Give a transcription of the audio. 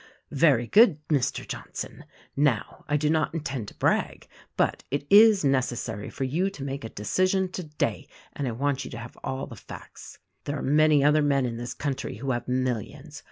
"Very good, Mr. Johnson ! Now, I do not intend to brag; but it is necessary for you to make a decision today, and I want you to have all the facts. "There are many other men in this country who have millions.